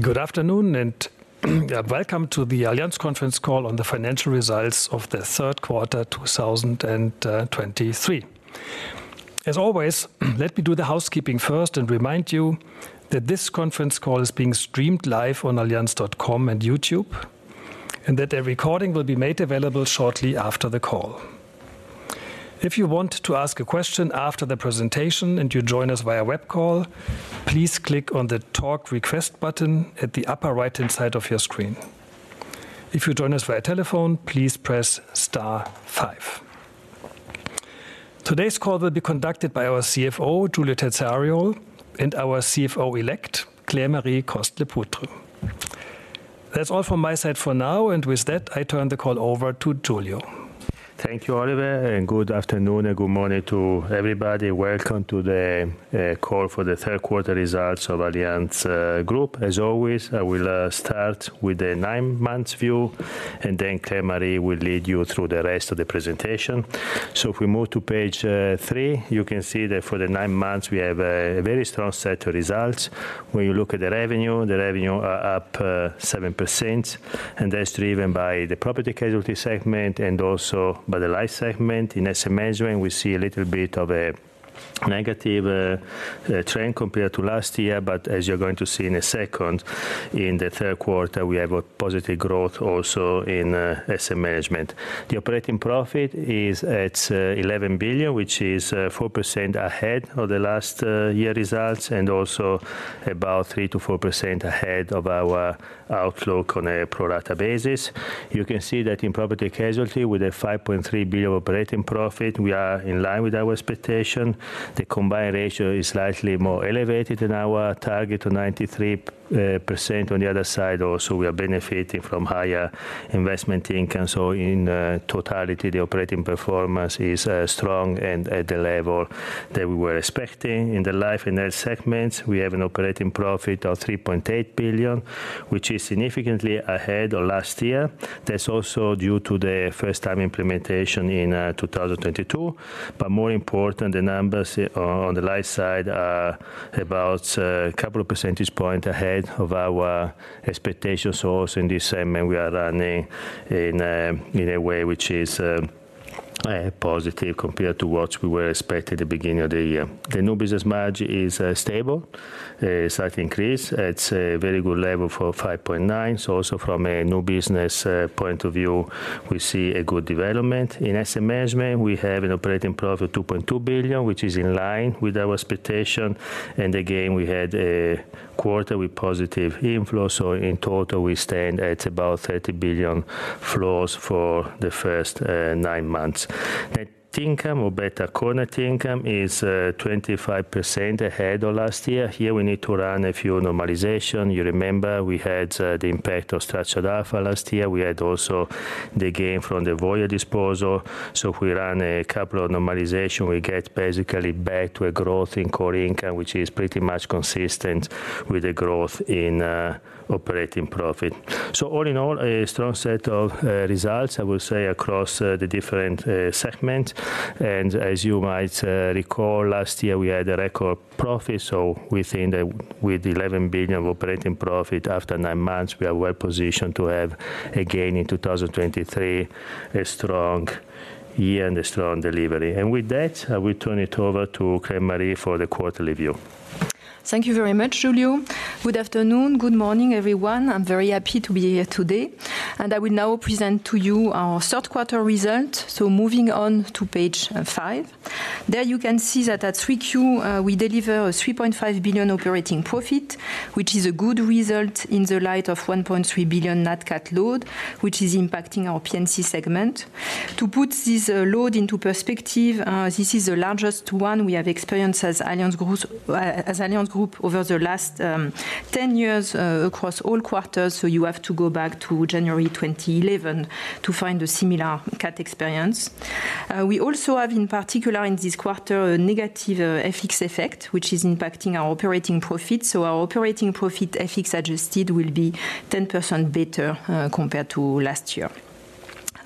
Good afternoon, and welcome to the Allianz conference call on the financial results of the third quarter, 2023. As always, let me do the housekeeping first and remind you that this conference call is being streamed live on allianz.com and YouTube, and that a recording will be made available shortly after the call. If you want to ask a question after the presentation, and you join us via web call, please click on the Talk Request button at the upper right-hand side of your screen. If you join us via telephone, please press star five. Today's call will be conducted by our CFO, Giulio Terzariol, and our CFO-elect, Claire-Marie Coste-Lepoutre. That's all from my side for now, and with that, I turn the call over to Giulio. Thank you, Oliver, and good afternoon and good morning to everybody. Welcome to the call for the third quarter results of Allianz Group. As always, I will start with the nine months view, and then Claire-Marie will lead you through the rest of the presentation. So if we move to page three, you can see that for the nine months, we have a very strong set of results. When you look at the revenue, the revenue are up 7%, and that's driven by the Property Casualty segment and also by the Life segment. In Asset Management, we see a little bit of a negative trend compared to last year, but as you're going to see in a second, in the third quarter, we have a positive growth also in Asset Management. The operating profit is at 11 billion, which is 4% ahead of the last year results, and also about 3%-4% ahead of our outlook on a pro rata basis. You can see that in Property Casualty, with a 5.3 billion operating profit, we are in line with our expectation. The combined ratio is slightly more elevated than our target of 93%. On the other side, also, we are benefiting from higher investment income. So in totality, the operating performance is strong and at the level that we were expecting. In the Life & Health segments, we have an operating profit of 3.8 billion, which is significantly ahead of last year. That's also due to the first-time implementation in 2022. But more important, the numbers on, on the Life side are about a couple of percentage points ahead of our expectations. So also in this segment, we are running in, in a way which is positive compared to what we were expecting at the beginning of the year. The new business margin is stable, a slight increase. It's a very good level for 5.9%. So also from a new business point of view, we see a good development. In Asset Management, we have an operating profit of 2.2 billion, which is in line with our expectation. And again, we had a quarter with positive inflow, so in total, we stand at about 30 billion flows for the first 9 months. Net income, or better core net income, is 25% ahead of last year. Here we need to run a few normalization. You remember, we had the impact of Structured Alpha last year. We had also the gain from the Voya disposal. So if we run a couple of normalization, we get basically back to a growth in core income, which is pretty much consistent with the growth in operating profit. So all in all, a strong set of results, I will say, across the different segments. And as you might recall, last year, we had a record profit, so we think that with 11 billion of operating profit after nine months, we are well positioned to have, again, in 2023, a strong year and a strong delivery. And with that, I will turn it over to Claire-Marie for the quarterly view. Thank you very much, Giulio. Good afternoon, good morning, everyone. I'm very happy to be here today, and I will now present to you our third quarter result. Moving on to page 5. There you can see that at 3Q, we deliver a 3.5 billion operating profit, which is a good result in the light of 1.3 billion net cat load, which is impacting our P&C segment. To put this load into perspective, this is the largest one we have experienced as Allianz Group over the last 10 years across all quarters, so you have to go back to January 2011 to find a similar cat experience. We also have, in particular in this quarter, a negative FX effect, which is impacting our operating profit. So our operating profit, FX adjusted, will be 10% better, compared to last year.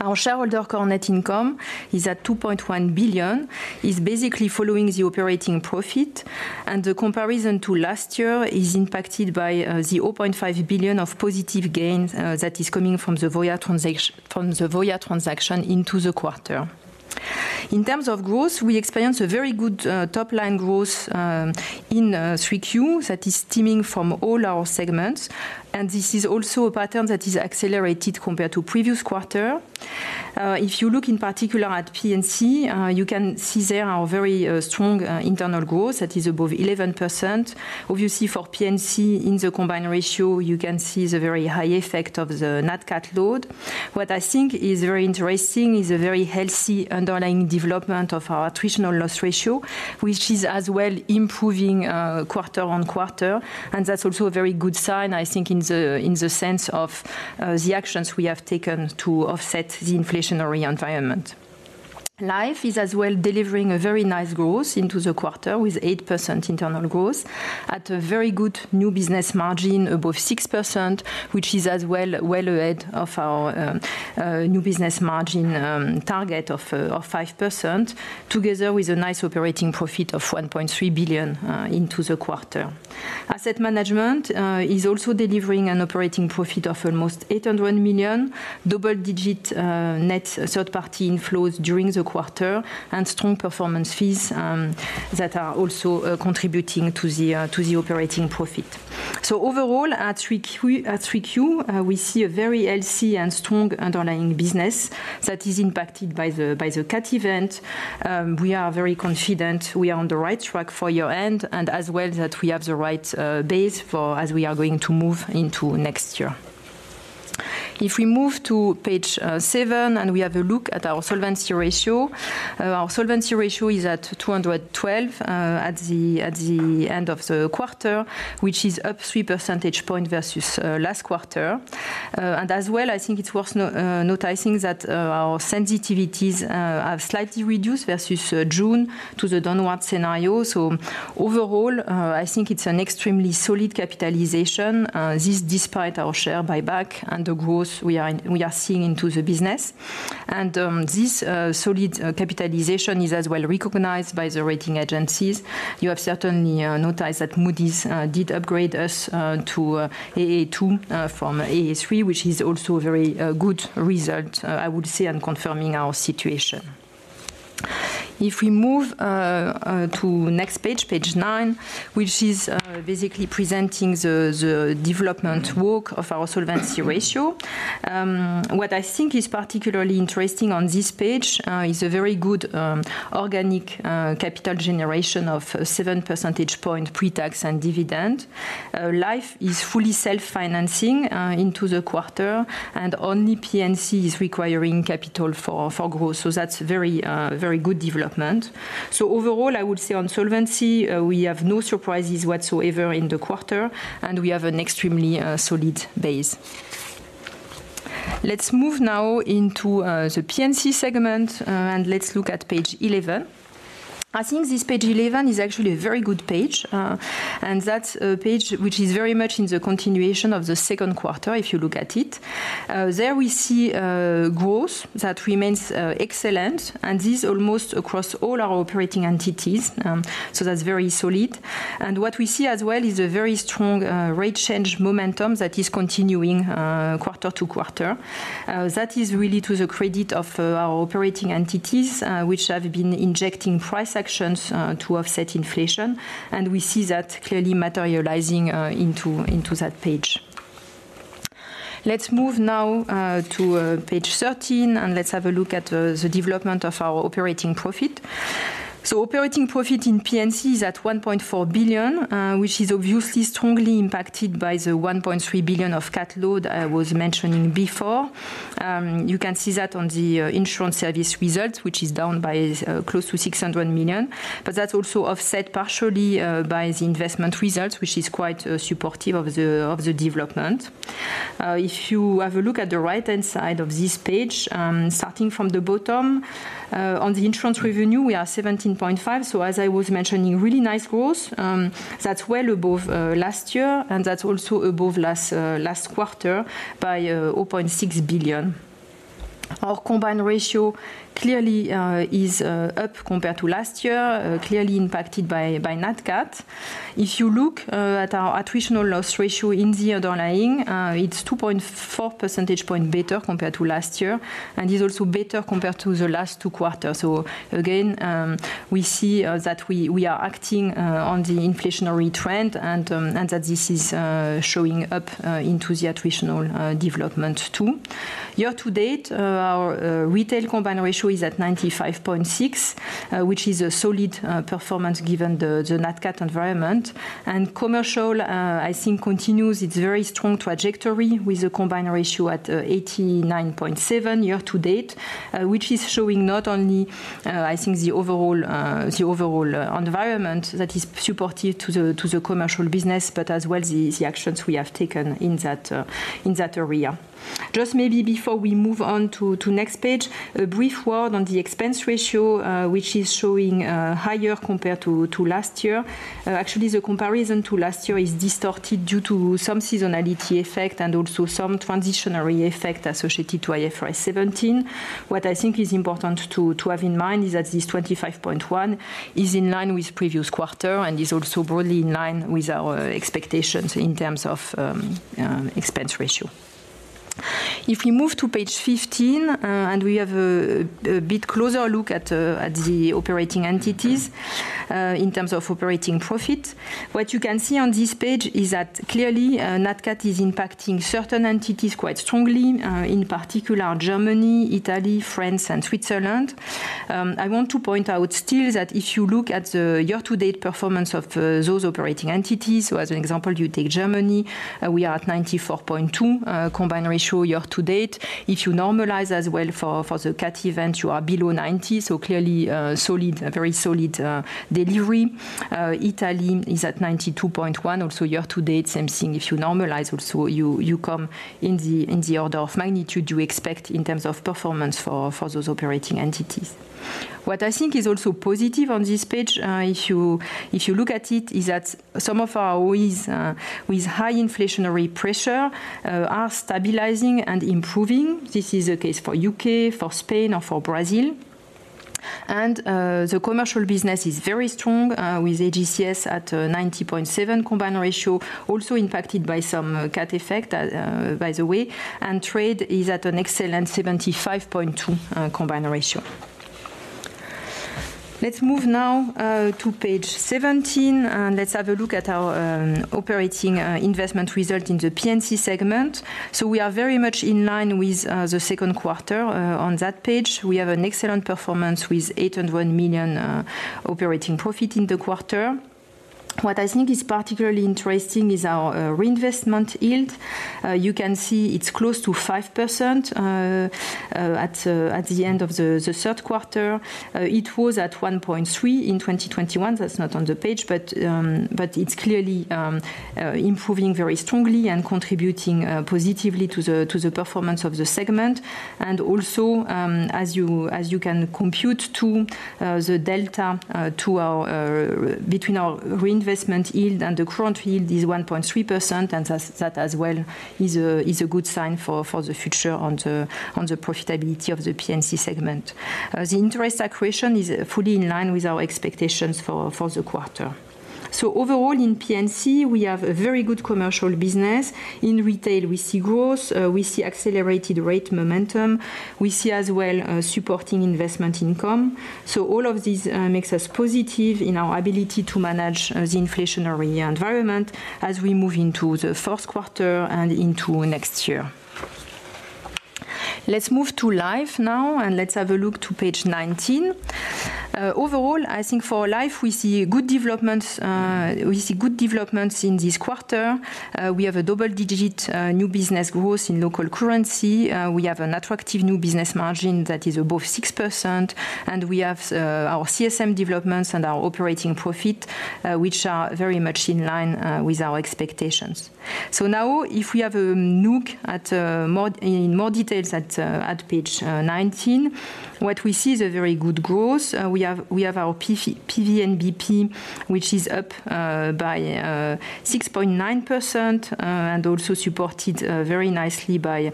Our shareholder core net income is at 2.1 billion, is basically following the operating profit, and the comparison to last year is impacted by, the 0.5 billion of positive gains, that is coming from the Voya transact- from the Voya transaction into the quarter. In terms of growth, we experienced a very good, top-line growth, in, 3Q that is stemming from all our segments, and this is also a pattern that is accelerated compared to previous quarter. If you look in particular at P&C, you can see there our very, strong, internal growth that is above 11%. Obviously, for P&C, in the combined ratio, you can see the very high effect of the net cat load. What I think is very interesting is a very healthy underlying development of our attritional loss ratio, which is as well improving quarter-on-quarter. That's also a very good sign, I think, in the sense of the actions we have taken to offset the inflationary environment. Life is as well delivering a very nice growth into the quarter, with 8% internal growth at a very good new business margin above 6%, which is as well well ahead of our new business margin target of 5%, together with a nice operating profit of 1.3 billion into the quarter. Asset management is also delivering an operating profit of almost 800 million. Double-digit net third-party inflows during the quarter, and strong performance fees that are also contributing to the operating profit. So overall, at 3Q, we see a very healthy and strong underlying business that is impacted by the cat event. We are very confident we are on the right track for year-end, and as well that we have the right base for as we are going to move into next year. If we move to page 7, and we have a look at our solvency ratio. Our solvency ratio is at 212 at the end of the quarter, which is up 3 percentage points versus last quarter. As well, I think it's worth noticing that our sensitivities have slightly reduced versus June to the downward scenario. Overall, I think it's an extremely solid capitalization. This despite our share buyback and the growth we are seeing into the business. This solid capitalization is as well recognized by the rating agencies. You have certainly noticed that Moody's did upgrade us to Aa2 from Aa3, which is also a very good result, I would say, in confirming our situation. If we move to next page, page 9, which is basically presenting the development of our solvency ratio. What I think is particularly interesting on this page is a very good organic capital generation of 7 percentage point pre-tax and dividend. Life is fully self-financing into the quarter, and only P&C is requiring capital for growth. So that's very good development. So overall, I would say on solvency we have no surprises whatsoever in the quarter, and we have an extremely solid base. Let's move now into the P&C segment, and let's look at page 11. I think this page 11 is actually a very good page. And that's a page which is very much in the continuation of the second quarter, if you look at it. There we see growth that remains excellent, and this almost across all our operating entities. So that's very solid. What we see as well is a very strong rate change momentum that is continuing quarter to quarter. That is really to the credit of our operating entities which have been injecting price actions to offset inflation, and we see that clearly materializing into that page. Let's move now to page 13, and let's have a look at the development of our operating profit. So operating profit in P&C is at 1.4 billion which is obviously strongly impacted by the 1.3 billion of cat load I was mentioning before. You can see that on the insurance service results, which is down by close to 600 million. But that's also offset partially by the investment results, which is quite supportive of the development. If you have a look at the right-hand side of this page, starting from the bottom, on the insurance revenue, we are 17.5 billion. So as I was mentioning, really nice growth. That's well above last year, and that's also above last quarter by 0.6 billion. Our combined ratio clearly is up compared to last year, clearly impacted by nat cat. If you look at our attritional loss ratio in the underlying, it's 2.4 percentage points better compared to last year, and is also better compared to the last two quarters. So again, we see that we are acting on the inflationary trend and that this is showing up into the attritional development too. Year to date, our retail combined ratio is at 95.6%, which is a solid performance given the nat cat environment. Commercial, I think continues its very strong trajectory with a combined ratio at 89.7% year to date, which is showing not only, I think the overall, the overall environment that is supportive to the commercial business, but as well the actions we have taken in that area. Just maybe before we move on to next page, a brief word on the expense ratio, which is showing higher compared to last year. Actually, the comparison to last year is distorted due to some seasonality effect and also some transitory effect associated to IFRS 17. What I think is important to have in mind is that this 25.1% is in line with previous quarter and is also broadly in line with our expectations in terms of expense ratio. If we move to page 15, and we have a bit closer look at the operating entities, in terms of operating profit, what you can see on this page is that clearly, nat cat is impacting certain entities quite strongly, in particular Germany, Italy, France, and Switzerland. I want to point out still that if you look at the year-to-date performance of those operating entities, so as an example, you take Germany, we are at 94.2% combined ratio year to date. If you normalize as well for the CAT event, you are below 90%, so clearly, solid, a very solid delivery. Italy is at 92.1%, also year to date, same thing. If you normalize also, you come in the order of magnitude you expect in terms of performance for those operating entities. What I think is also positive on this page, if you look at it, is that some of our markets with high inflationary pressure are stabilizing and improving. This is the case for UK, for Spain, and for Brazil. The commercial business is very strong, with AGCS at 90.7% combined ratio, also impacted by some CAT effect, by the way, and Trade is at an excellent 75.2% combined ratio. Let's move now to page 17, and let's have a look at our operating investment result in the P&C segment. So we are very much in line with the second quarter on that page. We have an excellent performance with 801 million operating profit in the quarter. What I think is particularly interesting is our reinvestment yield. You can see it's close to 5% at the end of the third quarter. It was at 1.3 in 2021. That's not on the page, but it's clearly improving very strongly and contributing positively to the performance of the segment. Also, as you can compute, the delta between our reinvestment yield and the current yield is 1.3%, and that as well is a good sign for the future on the profitability of the P&C segment. The interest accretion is fully in line with our expectations for the quarter. So overall, in P&C, we have a very good commercial business. In retail, we see growth, we see accelerated rate momentum. We see as well supporting investment income. So all of this makes us positive in our ability to manage the inflationary environment as we move into the first quarter and into next year. Let's move to life now, and let's have a look to page 19. Overall, I think for life, we see good developments, we see good developments in this quarter. We have a double-digit new business growth in local currency. We have an attractive new business margin that is above 6%, and we have our CSM developments and our operating profit, which are very much in line with our expectations. So now, if we have a look at more details at page 19, what we see is a very good growth. We have our PVNBP, which is up by 6.9%, and also supported very nicely by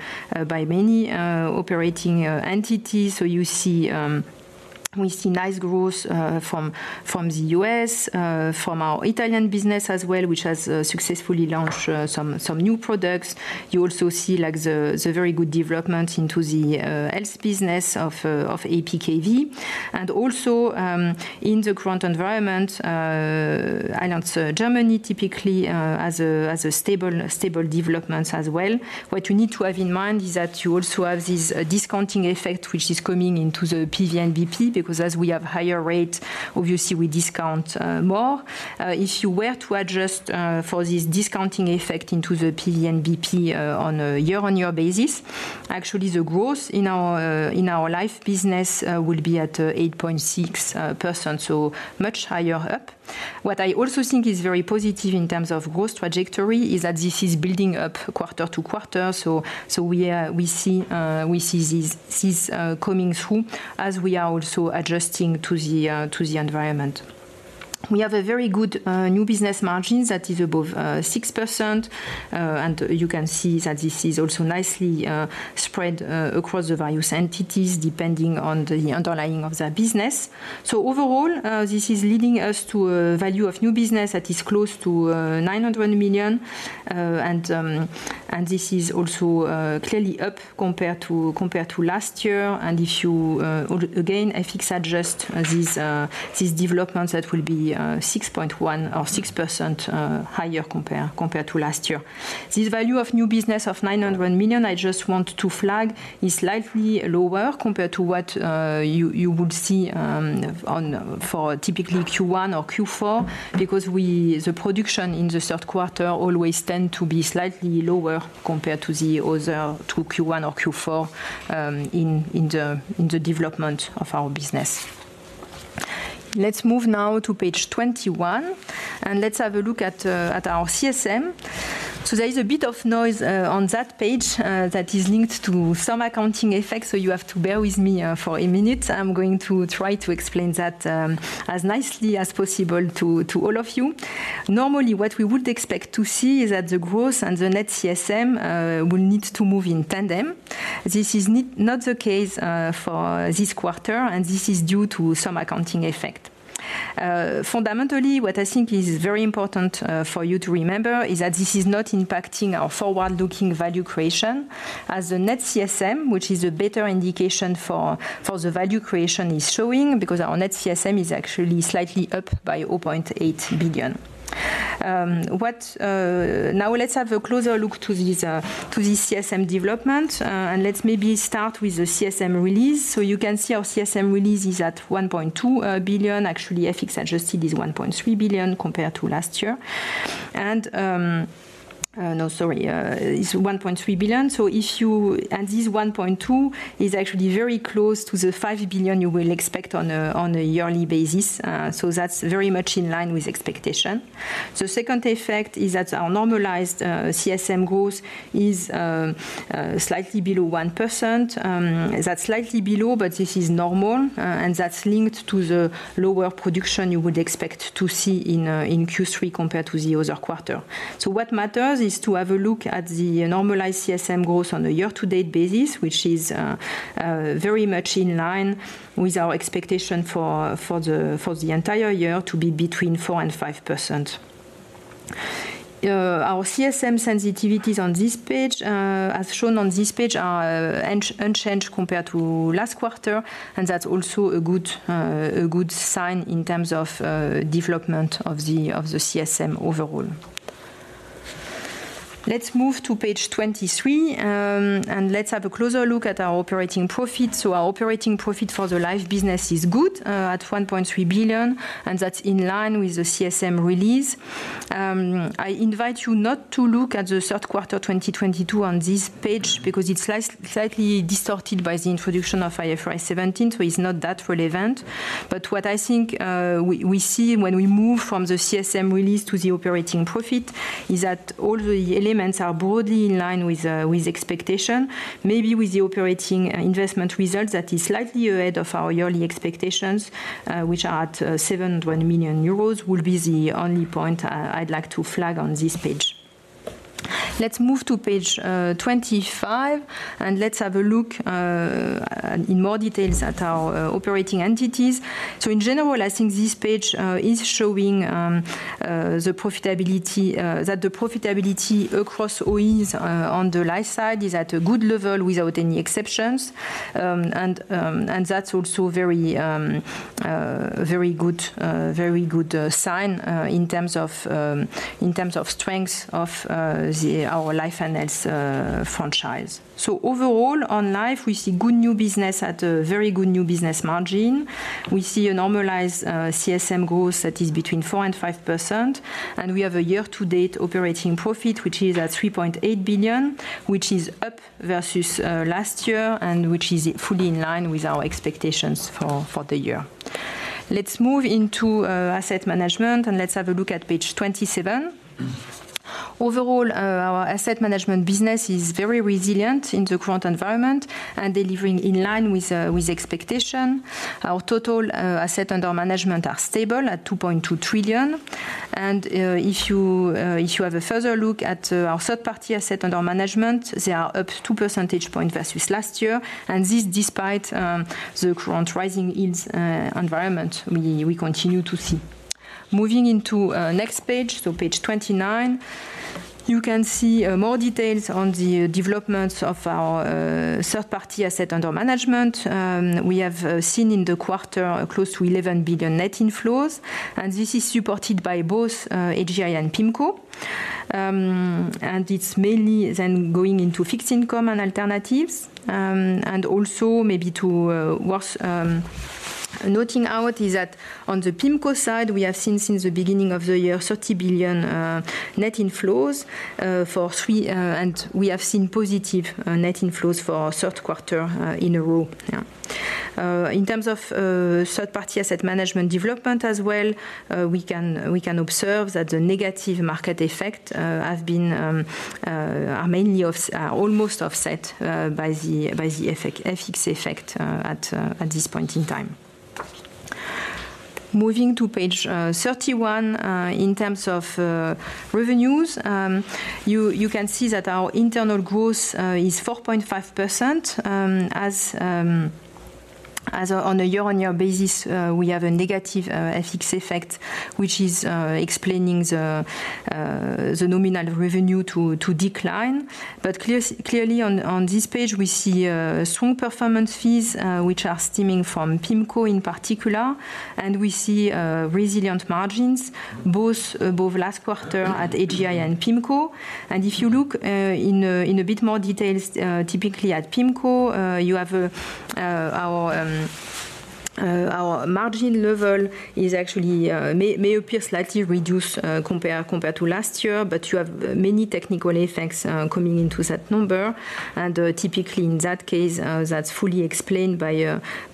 many operating entities. So you see, we see nice growth, from, from the U.S., from our Italian business as well, which has, successfully launched, some, some new products. You also see, like, the, the very good development into the, health business of, of APKV. And also, in the current environment, I announce Germany typically, as a, as a stable, stable development as well. What you need to have in mind is that you also have this, discounting effect, which is coming into the PVNBP, because as we have higher rate, obviously, we discount, more. If you were to adjust, for this discounting effect into the PVNBP, on a year-on-year basis, actually, the growth in our, in our life business, will be at, 8.6%, so much higher up. What I also think is very positive in terms of growth trajectory is that this is building up quarter to quarter. So we see this coming through as we are also adjusting to the environment. We have a very good new business margin that is above 6%. And you can see that this is also nicely spread across the various entities, depending on the underlying of their business. So overall, this is leading us to a value of new business that is close to 900 million. And this is also clearly up compared to last year. If you again adjust these developments, that will be 6.1%-6% higher compared to last year. This value of new business of 900 million, I just want to flag, is slightly lower compared to what you would see for typically Q1 or Q4, because the production in the third quarter always tends to be slightly lower compared to the other two, Q1 or Q4, in the development of our business. Let's move now to page 21, and let's have a look at our CSM. So there is a bit of noise on that page that is linked to some accounting effects, so you have to bear with me for a minute. I'm going to try to explain that as nicely as possible to all of you. Normally, what we would expect to see is that the growth and the net CSM will need to move in tandem. This is not the case for this quarter, and this is due to some accounting effect. Fundamentally, what I think is very important for you to remember is that this is not impacting our forward-looking value creation. As the net CSM, which is a better indication for the value creation, is showing, because our net CSM is actually slightly up by 0.8 billion. Now let's have a closer look to this, to the CSM development, and let's maybe start with the CSM release. So you can see our CSM release is at 1.2 billion. Actually, FX adjusted is 1.3 billion compared to last year. And, no, sorry, it's 1.3 billion. So if you-- And this one point two is actually very close to the 5 billion you will expect on a, on a yearly basis. So that's very much in line with expectation. So second effect is that our normalized, CSM growth is, slightly below 1%. That's slightly below, but this is normal, and that's linked to the lower production you would expect to see in, in Q3 compared to the other quarter. So what matters is to have a look at the normalized CSM growth on a year-to-date basis, which is, very much in line with our expectation for, for the, for the entire year to be between 4% and 5%. Our CSM sensitivities on this page, as shown on this page, are unchanged compared to last quarter, and that's also a good sign in terms of development of the CSM overall. Let's move to page 23, and let's have a closer look at our operating profit. So our operating profit for the life business is good at 1.3 billion, and that's in line with the CSM release. I invite you not to look at the third quarter 2022 on this page, because it's slightly distorted by the introduction of IFRS 17, so it's not that relevant. But what I think we see when we move from the CSM release to the operating profit is that all the elements are broadly in line with expectation. Maybe with the operating investment results, that is slightly ahead of our yearly expectations, which are at 7 million euros, will be the only point I'd like to flag on this page. Let's move to page 25, and let's have a look in more details at our operating entities. So in general, I think this page is showing the profitability that the profitability across OEs on the life side is at a good level without any exceptions. And that's also very very good sign in terms of in terms of strength of the our life and health franchise. So overall, on life, we see good new business at a very good new business margin. We see a normalized, CSM growth that is between 4% and 5%, and we have a year-to-date operating profit, which is at 3.8 billion, which is up versus, last year, and which is fully in line with our expectations for, for the year. Let's move into, asset management, and let's have a look at page 27. Overall, our asset management business is very resilient in the current environment and delivering in line with, with expectation. Our total, asset under management are stable at 2.2 trillion. And, if you, if you have a further look at, our third-party asset under management, they are up two percentage points versus last year, and this despite, the current rising yields, environment, we, we continue to see. Moving into next page, so page 29, you can see more details on the developments of our third-party assets under management. We have seen in the quarter close to 11 billion net inflows, and this is supported by both AGI and PIMCO. It's mainly then going into fixed income and alternatives. Also maybe it's worth noting that on the PIMCO side, we have seen since the beginning of the year 30 billion net inflows for three, and we have seen positive net inflows for our third quarter in a row. Yeah. In terms of third-party asset management development as well, we can observe that the negative market effect are mainly almost offset by the FX effect at this point in time. Moving to page 31, in terms of revenues, you can see that our internal growth is 4.5% as on a year-on-year basis, we have a negative FX effect, which is explaining the nominal revenue to decline. But clearly on this page, we see strong performance fees, which are stemming from PIMCO in particular, and we see resilient margins, both last quarter at AGI and PIMCO. And if you look in a bit more details, typically at PIMCO, you have our margin level is actually may appear slightly reduced compared to last year, but you have many technical effects coming into that number. And typically in that case, that's fully explained by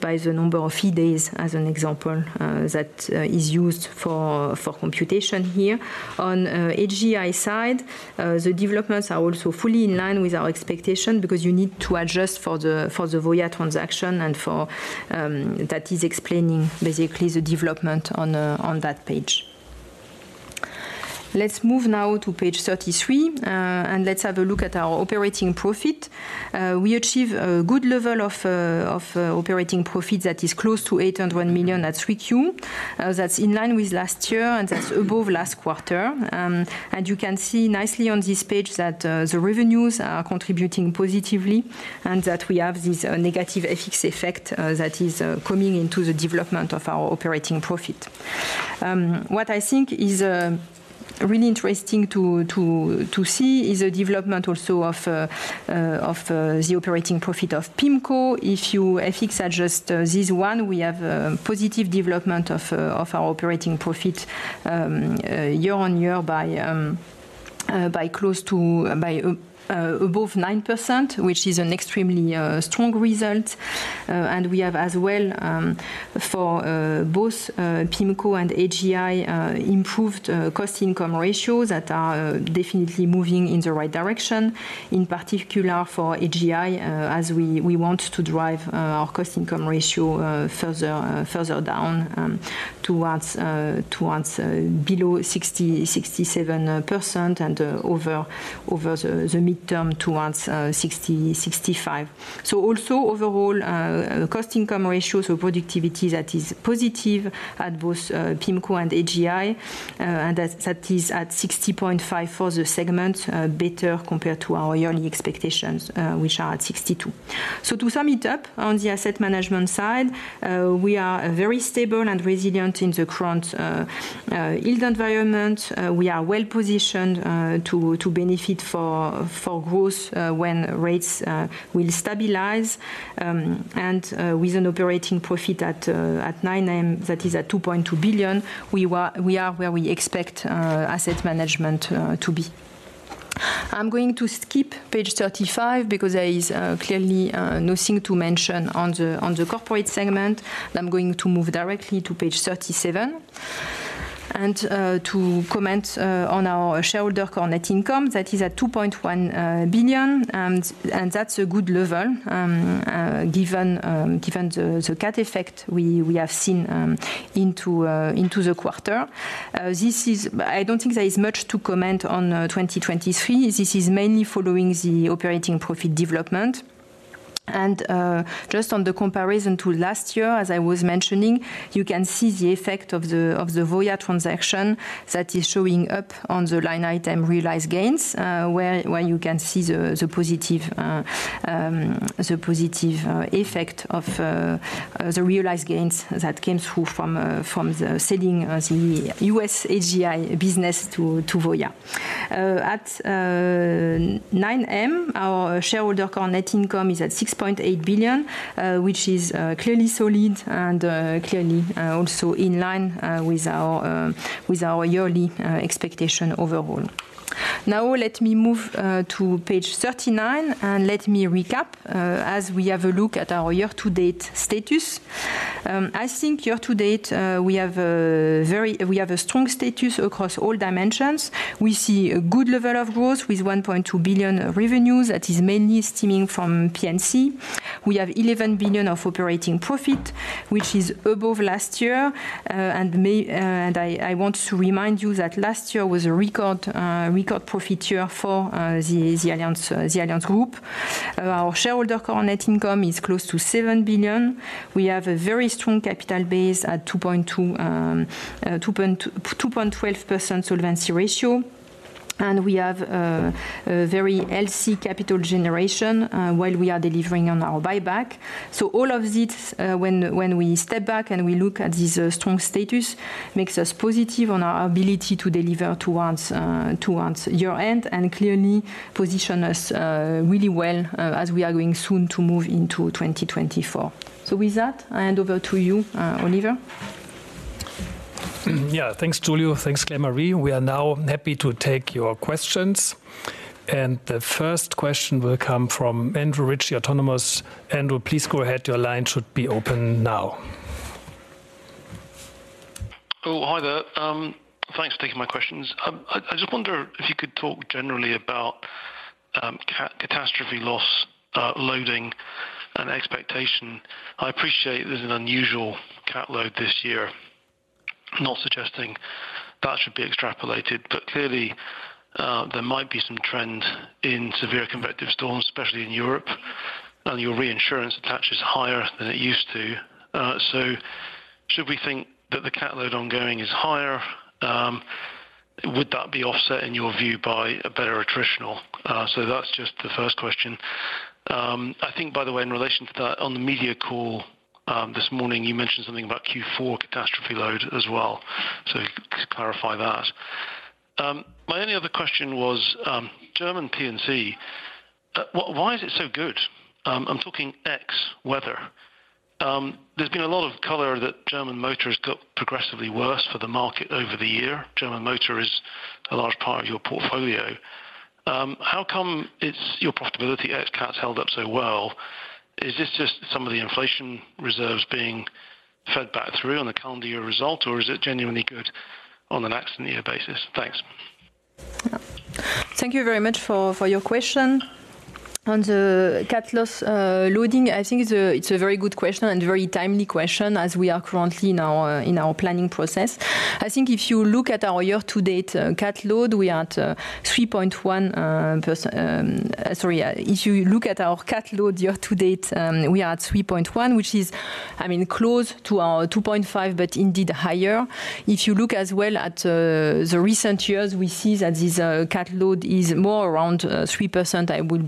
the number of fee days, as an example, that is used for computation here. On AGI side, the developments are also fully in line with our expectation, because you need to adjust for the Voya transaction and for... That is explaining basically the development on that page. Let's move now to page 33, and let's have a look at our operating profit. We achieve a good level of operating profit that is close to 801 million at 3Q. That's in line with last year, and that's above last quarter. You can see nicely on this page that the revenues are contributing positively, and that we have this negative FX effect that is coming into the development of our operating profit. What I think is really interesting to see is the development also of the operating profit of PIMCO. If you FX adjust this one, we have a positive development of our operating profit year-on-year by close to above 9%, which is an extremely strong result. And we have as well, for both, PIMCO and AGI, improved cost-income ratios that are definitely moving in the right direction. In particular, for AGI, as we want to drive our cost-income ratio further down towards below 67%, and over the midterm, towards 65. So also overall, cost-income ratios or productivity, that is positive at both, PIMCO and AGI. And that is at 60.5 for the segment, better compared to our yearly expectations, which are at 62. So to sum it up, on the asset management side, we are very stable and resilient in the current yield environment. We are well-positioned to benefit for growth when rates will stabilize. With an operating profit at 9M, and that is at 2.2 billion, we were- we are where we expect asset management to be. I'm going to skip page 35 because there is clearly nothing to mention on the corporate segment. I'm going to move directly to page 37. To comment on our shareholder core net income, that is at 2.1 billion, and that's a good level given the CAT effect we have seen into the quarter. This is... I don't think there is much to comment on 2023. This is mainly following the operating profit development. Just on the comparison to last year, as I was mentioning, you can see the effect of the Voya transaction that is showing up on the line item, Realized Gains, where you can see the positive effect of the realized gains that came through from the selling of the US AGI business to Voya. At 9M, our shareholder core net income is at 6.8 billion, which is clearly solid and clearly also in line with our yearly expectation overall. Now let me move to page 39, and let me recap as we have a look at our year-to-date status. I think year to date, we have a very, we have a strong status across all dimensions. We see a good level of growth with 1.2 billion revenues. That is mainly stemming from P&C. We have 11 billion of operating profit, which is above last year. And I want to remind you that last year was a record profit year for the Allianz group. Our shareholder core net income is close to 7 billion. We have a very strong capital base at 212% solvency ratio. And we have a very healthy capital generation while we are delivering on our buyback. So all of this, when we step back and we look at this strong status, makes us positive on our ability to deliver towards year-end, and clearly position us really well as we are going soon to move into 2024. So with that, I hand over to you, Oliver. Yeah. Thanks, Giulio. Thanks, Claire-Marie. We are now happy to take your questions. And the first question will come from Andrew Ritchie, Autonomous. Andrew, please go ahead. Your line should be open now. Oh, hi there. Thanks for taking my questions. I just wonder if you could talk generally about catastrophe loss loading and expectation. I appreciate there's an unusual cat load this year. Not suggesting that should be extrapolated, but clearly there might be some trend in severe convective storms, especially in Europe, and your reinsurance attaches higher than it used to. So should we think that the cat load ongoing is higher? Would that be offset, in your view, by a better attritional? So that's just the first question. I think, by the way, in relation to that, on the media call this morning, you mentioned something about Q4 catastrophe load as well. So just clarify that. My only other question was German P&C. Why is it so good? I'm talking ex-weather. There's been a lot of color that German Motor has got progressively worse for the market over the year. German Motor is a large part of your portfolio. How come it's your profitability at nat cats' held up so well? Is this just some of the inflation reserves being fed back through on the calendar year result, or is it genuinely good on an accident year basis? Thanks. Thank you very much for your question. On the cat loss loading, I think it's a very good question and very timely question as we are currently in our planning process. I think if you look at our year-to-date cat load, we are at 3.1%, which is, I mean, close to our 2.5%, but indeed higher. If you look as well at the recent years, we see that this cat load is more around 3%, I will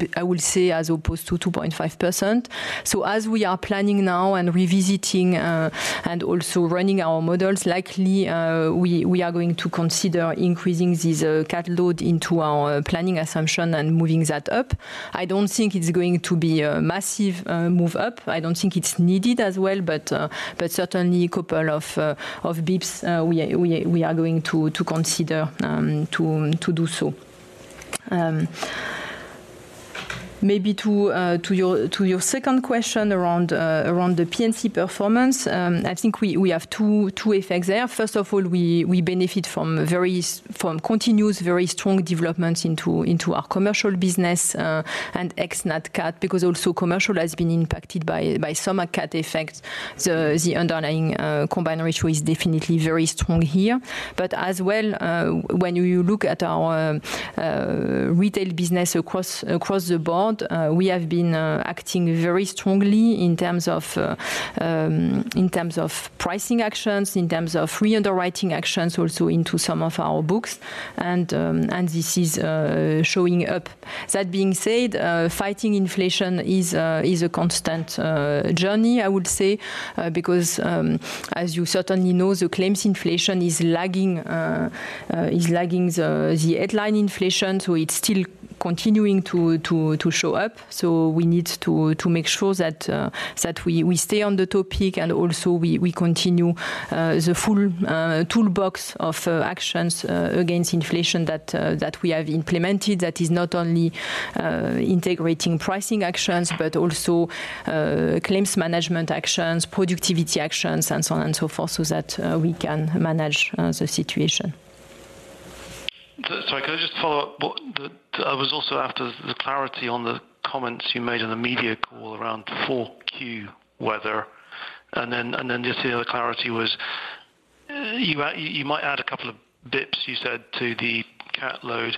say, as opposed to 2.5%. So as we are planning now and revisiting, and also running our models, likely, we are going to consider increasing this cat load into our planning assumption and moving that up. I don't think it's going to be a massive move up. I don't think it's needed as well, but certainly a couple of basis points we are going to consider to do so. Maybe to your second question around the P&C performance. I think we have two effects there. First of all, we benefit from continuous, very strong developments into our commercial business, and ex-nat cat, because also commercial has been impacted by some cat effects. So the underlying combined ratio is definitely very strong here. But as well, when you look at our retail business across the board, we have been acting very strongly in terms of pricing actions, in terms of re-underwriting actions, also into some of our books. And this is showing up. That being said, fighting inflation is a constant journey, I would say, because as you certainly know, the claims inflation is lagging the headline inflation, so it's still continuing to show up. So we need to make sure that we stay on the topic and also we continue the full toolbox of actions against inflation that we have implemented, that is not only integrating pricing actions, but also claims management actions, productivity actions, and so on and so forth, so that we can manage the situation. Sorry, can I just follow up? What the... I was also after the clarity on the comments you made on the media call around Q4 weather, and then just the other clarity was, you might add a couple of bits, you said, to the cat load.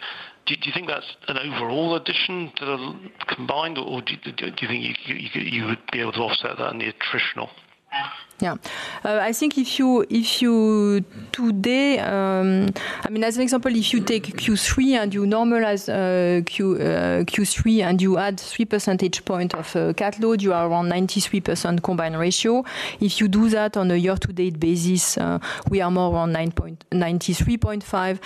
Do you think that's an overall addition to the combined or do you think you would be able to offset that in the traditional? Yeah. I think if you, if you today, I mean, as an example, if you take Q3 and you normalize Q3, and you add three percentage point of cat load, you are around 93% combined ratio. If you do that on a year-to-date basis, we are more around 93.5.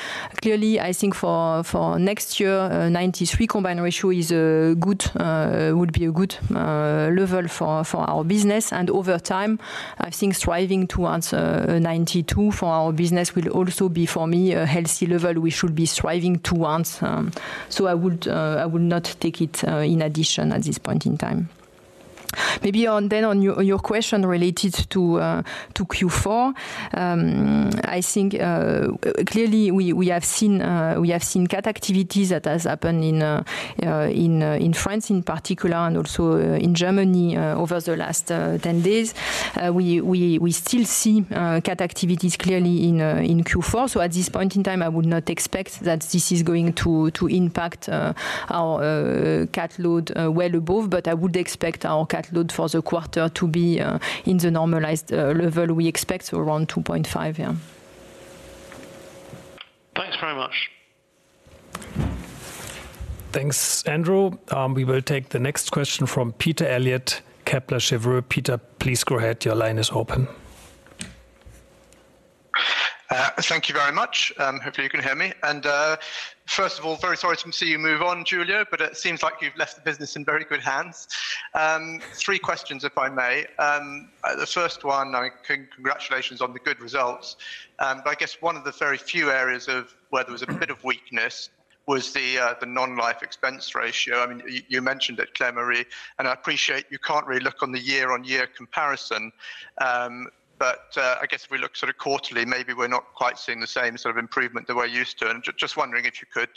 Clearly, I think for next year, 93 combined ratio is a good, would be a good level for our business. And over time, I think striving towards 92 for our business will also be, for me, a healthy level we should be striving towards. So I would not take it in addition at this point in time. Maybe on, then on your question related to Q4, I think clearly we have seen cat activities that has happened in France in particular, and also in Germany, over the last 10 days. We still see cat activities clearly in Q4. So at this point in time, I would not expect that this is going to impact our cat load well above, but I would expect our cat load for the quarter to be in the normalized level we expect, so around 2.5, yeah. Thanks very much. Thanks, Andrew. We will take the next question from Peter Eliot, Kepler Cheuvreux. Peter, please go ahead. Your line is open. Thank you very much. Hopefully you can hear me. First of all, very sorry to see you move on, Giulio, but it seems like you've left the business in very good hands. Three questions, if I may. The first one, congratulations on the good results. But I guess one of the very few areas of where there was a bit of weakness was the non-life expense ratio. I mean, you mentioned it, Claire-Marie, and I appreciate you can't really look on the year-on-year comparison, but I guess if we look sort of quarterly, maybe we're not quite seeing the same sort of improvement that we're used to. Just wondering if you could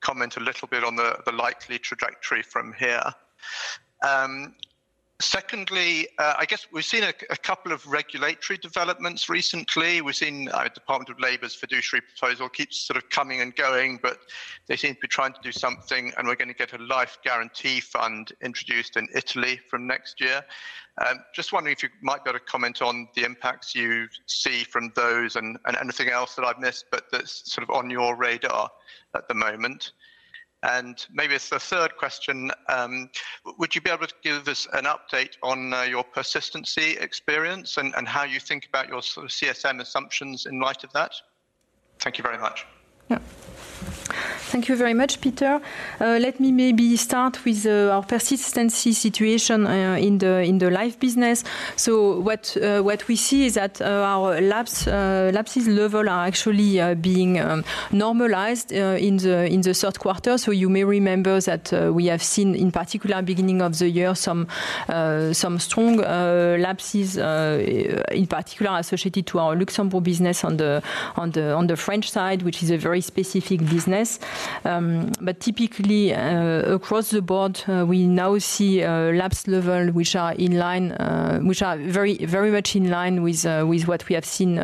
comment a little bit on the likely trajectory from here. Secondly, I guess we've seen a couple of regulatory developments recently. We've seen Department of Labor's fiduciary proposal keeps sort of coming and going, but they seem to be trying to do something, and we're going to get a life guarantee fund introduced in Italy from next year. Just wondering if you might be able to comment on the impacts you see from those, and anything else that I've missed, but that's sort of on your radar at the moment. And maybe as the third question, would you be able to give us an update on your persistency experience and how you think about your sort of CSM assumptions in light of that? Thank you very much. Yeah. Thank you very much, Peter. Let me maybe start with our persistency situation in the life business. So what we see is that our lapse lapses level are actually being normalized in the third quarter. So you may remember that we have seen, in particular, beginning of the year, some strong lapses, in particular, associated to our Luxembourg business on the French side, which is a very specific business. But typically, across the board, we now see lapse level which are in line, which are very, very much in line with what we have seen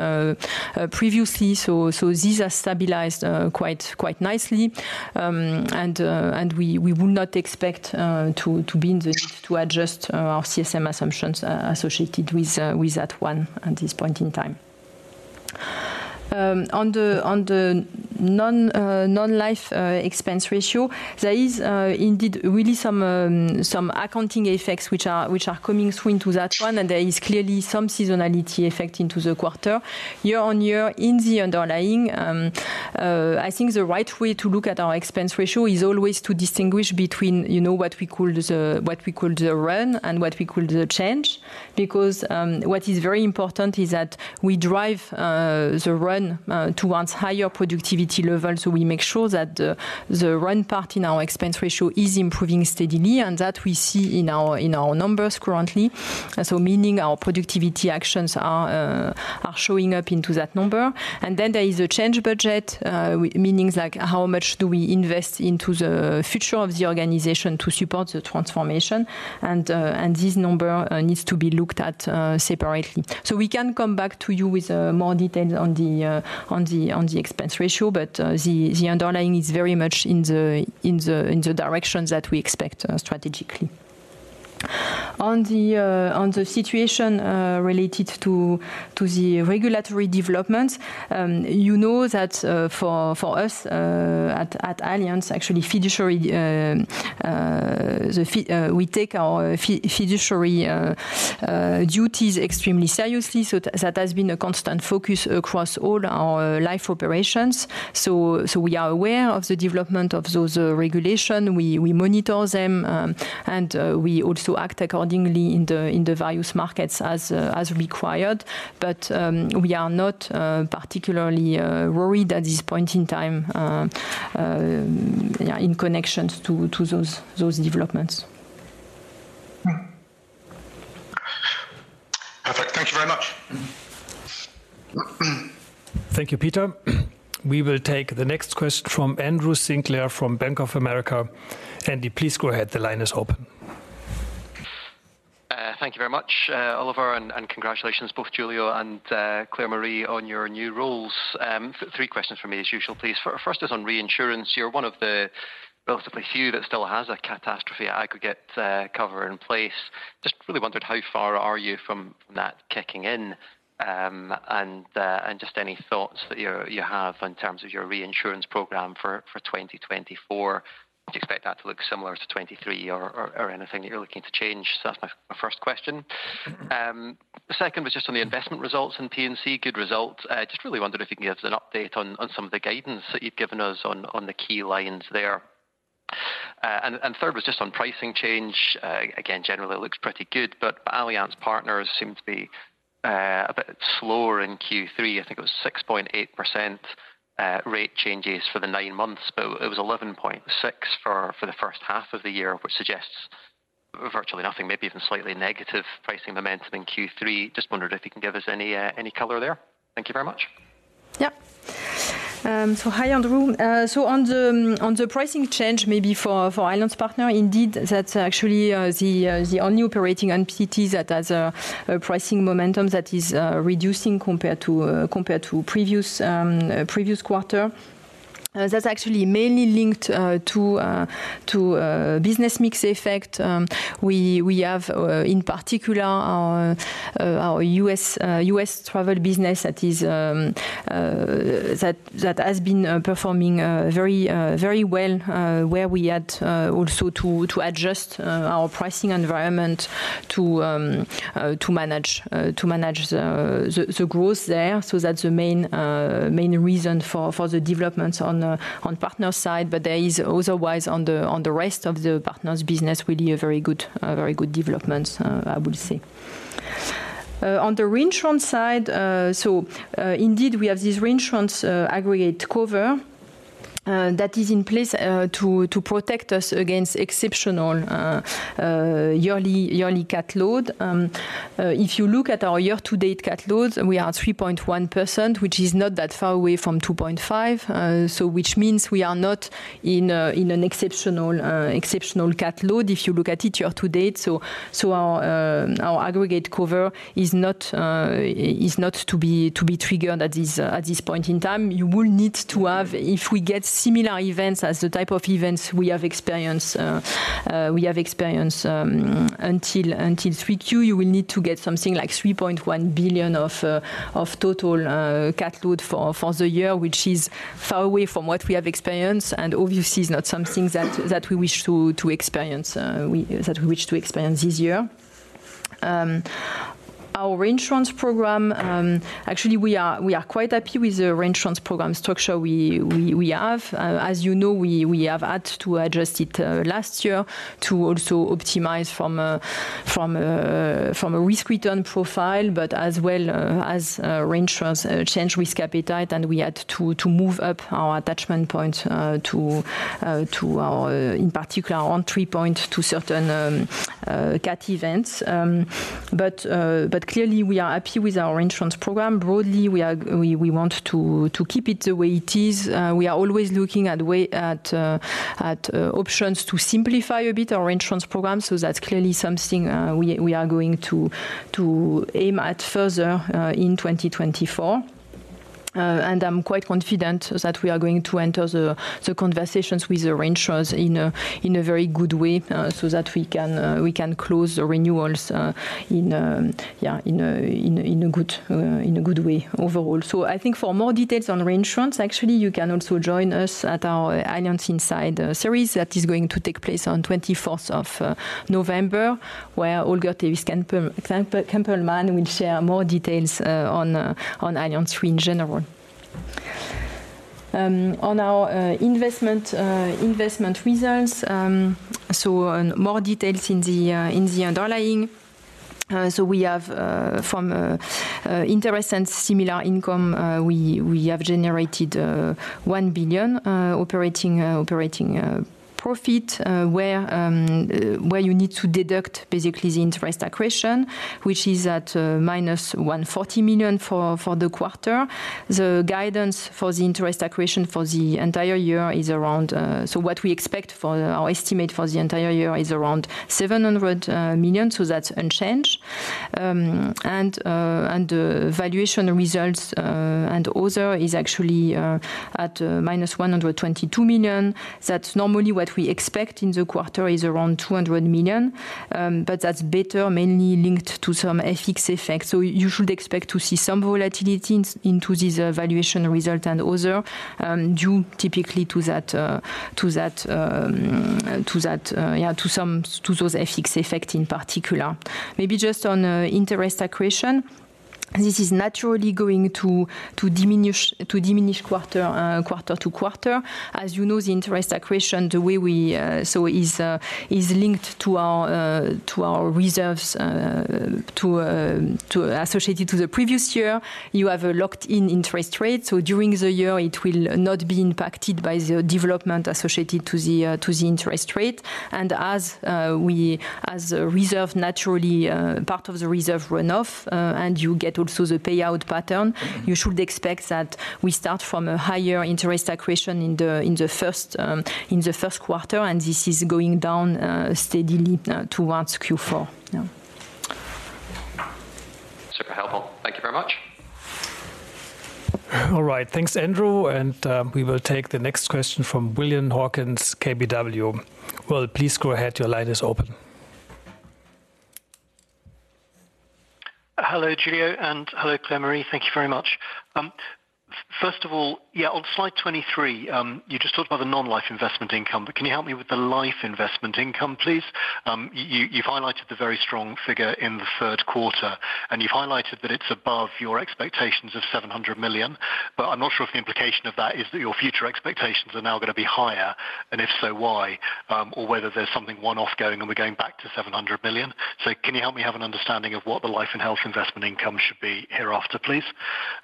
previously. So these are stabilized quite nicely. We would not expect to adjust our CSM assumptions associated with that one at this point in time. On the non-life expense ratio, there is indeed really some accounting effects which are coming through into that one, and there is clearly some seasonality effect into the quarter. Year-on-year, in the underlying, I think the right way to look at our expense ratio is always to distinguish between, you know, what we call the run and what we call the change. Because what is very important is that we drive the run towards higher productivity levels, so we make sure that the run part in our expense ratio is improving steadily, and that we see in our numbers currently. And so meaning our productivity actions are showing up into that number. And then there is a change budget, meanings like how much do we invest into the future of the organization to support the transformation? And this number needs to be looked at separately. So we can come back to you with more details on the expense ratio, but the underlying is very much in the direction that we expect strategically. On the situation related to the regulatory developments, you know that for us at Allianz, actually, we take our fiduciary duties extremely seriously, so that has been a constant focus across all our life operations. So we are aware of the development of those regulation. We monitor them, and we also act accordingly in the various markets as required. But we are not particularly worried at this point in time, yeah, in connections to those developments. Perfect. Thank you very much. Thank you, Peter. We will take the next question from Andrew Sinclair, from Bank of America. Andy, please go ahead. The line is open. Thank you very much, Oliver, and congratulations, both Giulio and Claire-Marie, on your new roles. 3 questions for me, as usual, please. First is on reinsurance. You're one of the relatively few that still has a catastrophe aggregate cover in place. Just really wondered how far are you from that kicking in? And just any thoughts that you have in terms of your reinsurance program for 2024. Do you expect that to look similar to 2023 or anything that you're looking to change? So that's my first question. The second was just on the investment results in P&C, good results. Just really wondered if you can give us an update on some of the guidance that you've given us on the key lines there. And third was just on pricing change. Again, generally it looks pretty good, but Allianz Partners seem to be a bit slower in Q3. I think it was 6.8% rate changes for the nine months, but it was 11.6% for the first half of the year, which suggests virtually nothing, maybe even slightly negative pricing momentum in Q3. Just wondered if you can give us any color there. Thank you very much. Yeah. So hi, Andrew. So on the pricing change, maybe for Allianz Partners, indeed, that's actually the only operating NPT that has a pricing momentum that is reducing compared to previous quarter. That's actually mainly linked to business mix effect. We have, in particular, our U.S. travel business that has been performing very well, where we had also to adjust our pricing environment to manage the growth there. So that's the main reason for the developments on Partners side. But there is otherwise on the, on the rest of the Partners business, really a very good, very good development, I would say. On the reinsurance side, so, indeed, we have this reinsurance aggregate cover that is in place to protect us against exceptional yearly cat load. If you look at our year-to-date cat loads, we are at 3.1%, which is not that far away from 2.5%. So which means we are not in an exceptional cat load, if you look at it year-to-date. So our aggregate cover is not to be triggered at this point in time. You will need to have... If we get similar events as the type of events we have experienced until Q3, you will need to get something like 3.1 billion of total cat load for the year, which is far away from what we have experienced, and obviously is not something that we wish to experience this year. Our reinsurance program, actually, we are quite happy with the reinsurance program structure we have. As you know, we have had to adjust it last year to also optimize from a risk return profile, but as well as reinsurance change risk appetite, and we had to move up our attachment point to our, in particular, on 3.2 to certain cat events. But clearly, we are happy with our reinsurance program. Broadly, we want to keep it the way it is. We are always looking at options to simplify a bit our reinsurance program, so that's clearly something we are going to aim at further in 2024And I'm quite confident that we are going to enter the conversations with the reinsurers in a very good way, so that we can close the renewals in a good way overall. So I think for more details on reinsurance, actually, you can also join us at our Inside Allianz series that is going to take place on twenty-fourth of November, where Holger Tewes-Kampelmann So we have from interest and similar income, we have generated 1 billion operating profit, where you need to deduct basically the interest accretion, which is at -140 million for the quarter. The guidance for the interest accretion for the entire year is around. So what we expect for our estimate for the entire year is around 700 million, so that's unchanged. And the valuation results and other is actually at -122 million. That's normally what we expect in the quarter is around 200 million, but that's better, mainly linked to some FX effects. So you should expect to see some volatility in into this valuation result and other, due typically to that, to those FX effect in particular. Maybe just on interest accretion, this is naturally going to diminish quarter to quarter. As you know, the interest accretion the way we so is linked to our reserves associated to the previous year. You have a locked-in interest rate, so during the year, it will not be impacted by the development associated to the interest rate. And as a reserve, naturally, part of the reserve runoff, and you get also the payout pattern, you should expect that we start from a higher interest accretion in the first quarter, and this is going down steadily towards Q4. Yeah. Super helpful. Thank you very much. All right. Thanks, Andrew, and we will take the next question from William Hawkins, KBW. Will, please go ahead. Your line is open. Hello, Giulio, and hello, Claire-Marie. Thank you very much. First of all, yeah, on slide 23, you just talked about the non-life investment income, but can you help me with the life investment income, please? You, you highlighted the very strong figure in the third quarter, and you highlighted that it's above your expectations of 700 million, but I'm not sure if the implication of that is that your future expectations are now going to be higher, and if so, why? Or whether there's something one-off going, and we're going back to 700 billion. So can you help me have an understanding of what the life and health investment income should be hereafter, please?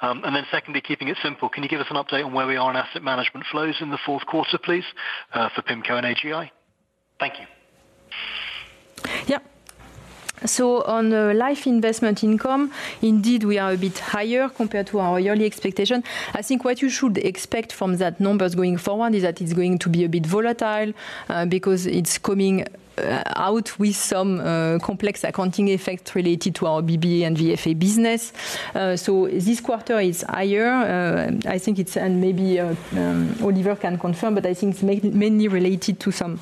And then secondly, keeping it simple, can you give us an update on where we are in asset management flows in the fourth quarter, please, for PIMCO and AGI? Thank you. Yeah. So on the life investment income, indeed, we are a bit higher compared to our yearly expectation. I think what you should expect from that numbers going forward is that it's going to be a bit volatile, because it's coming out with some complex accounting effects related to our BBA and VFA business. So this quarter is higher. I think it's, and maybe Oliver can confirm, but I think it's mainly related to some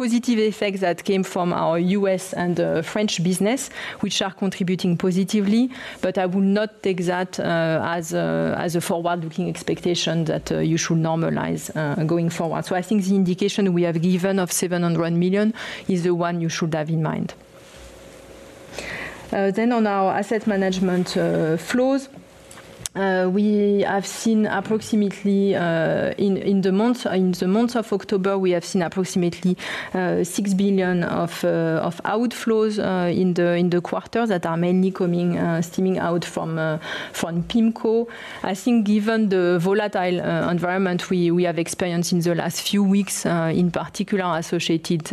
positive effects that came from our U.S. and French business, which are contributing positively. But I would not take that as a forward-looking expectation that you should normalize going forward. So I think the indication we have given of 700 million is the one you should have in mind. Then on our asset management flows, we have seen approximately EUR 6 billion of outflows in the quarter that are mainly stemming out from PIMCO. I think given the volatile environment we have experienced in the last few weeks, in particular associated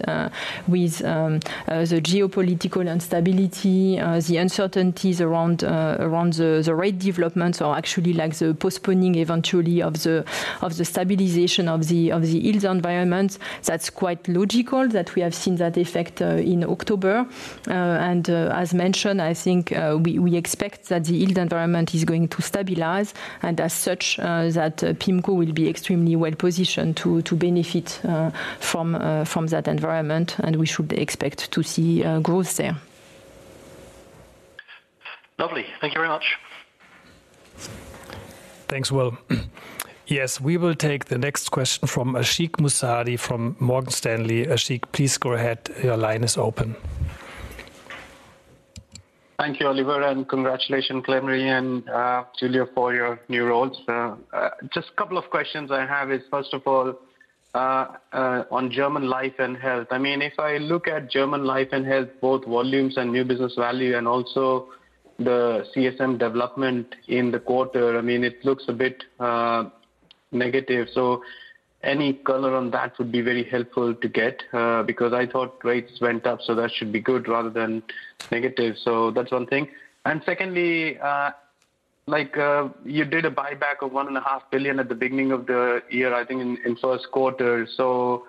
with the geopolitical instability, the uncertainties around the rate developments or actually like the postponing eventually of the stabilization of the yield environment, that's quite logical that we have seen that effect in October. As mentioned, I think we expect that the yield environment is going to stabilize, and as such, that PIMCO will be extremely well positioned to benefit from that environment, and we should expect to see growth there. Lovely. Thank you very much. Thanks, Will. Yes, we will take the next question from Ashik Musaddi from Morgan Stanley. Ashik, please go ahead. Your line is open. Thank you, Oliver, and congratulations, Claire-Marie and Julia, for your new roles. Just a couple of questions I have is, first of all, on German life and health. I mean, if I look at German life and health, both volumes and new business value and also the CSM development in the quarter, I mean, it looks a bit negative. So any color on that would be very helpful to get, because I thought rates went up, so that should be good rather than negative. So that's one thing. And secondly, like, you did a buyback of 1.5 billion at the beginning of the year, I think in first quarter. So,...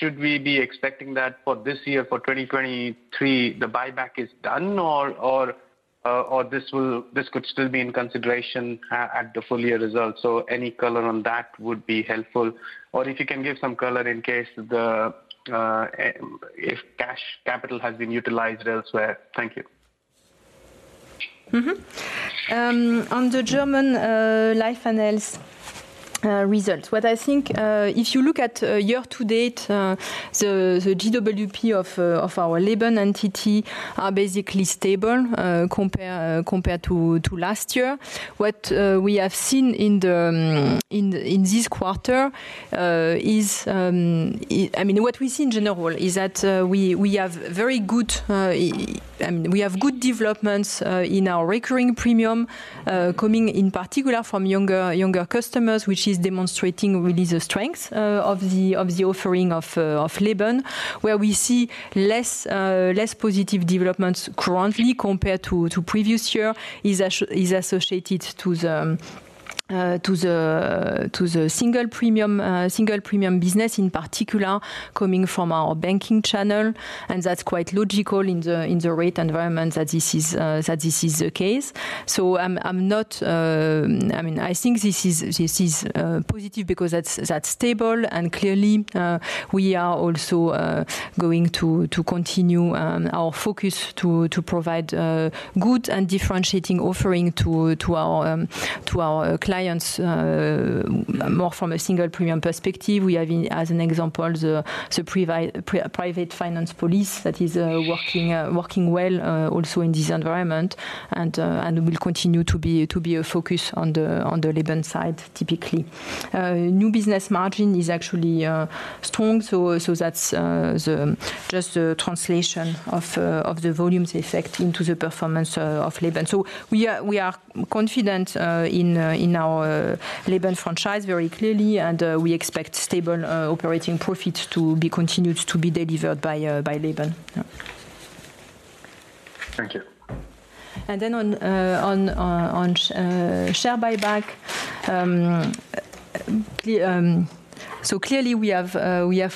Should we be expecting that for this year, for 2023, the buyback is done, or this will—this could still be in consideration at the full year results? So any color on that would be helpful. Or if you can give some color in case the, if cash capital has been utilized elsewhere. Thank you. Mm-hmm. On the German life and health results, what I think, if you look at year to date, the GWP of our Leben entity are basically stable, compared to last year. What we have seen in this quarter is, I mean, what we see in general is that we have good developments in our recurring premium coming in particular from younger customers, which is demonstrating really the strength of the offering of Leben. Where we see less positive developments currently compared to previous year is associated to the single premium business, in particular, coming from our banking channel. That's quite logical in the rate environment that this is the case. So I'm not... I mean, I think this is positive because that's stable and clearly we are also going to continue our focus to provide good and differentiating offering to our clients, more from a single premium perspective. We have, as an example, the PrivateFinancePolicy that is working well, also in this environment, and will continue to be a focus on the Leben side, typically. New business margin is actually strong, so that's just the translation of the volumes effect into the performance of Leben. So we are confident in our Leben franchise very clearly, and we expect stable operating profits to be continued to be delivered by Leben. Yeah. Thank you. Then on share buyback, so clearly we have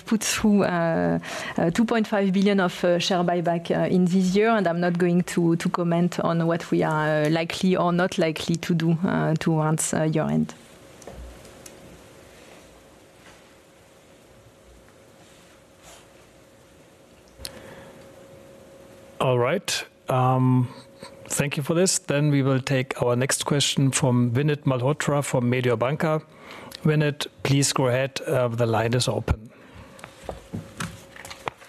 put through 2.5 billion of share buyback in this year, and I'm not going to comment on what we are likely or not likely to do, to answer your end. All right. Thank you for this. Then we will take our next question from Vinit Malhotra from Mediobanca. Vinit, please go ahead. The line is open.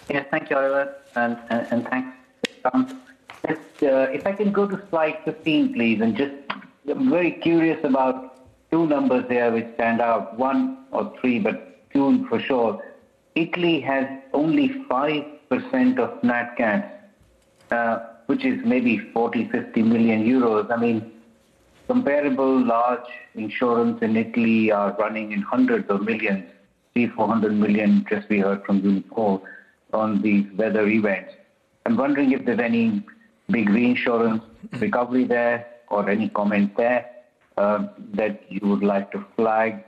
Yeah. Thank you, Oliver, and thanks, Tom. Just if I can go to slide 15, please, and just I'm very curious about two numbers there which stand out, one or three, but two for sure. Italy has only 5% of nat cat, which is maybe 40 million-50 million euros. I mean, comparable large insurance in Italy are running in hundreds of millions, 300 million-400 million, just we heard from this call on the weather events. I'm wondering if there's any big reinsurance recovery there or any comment there that you would like to flag?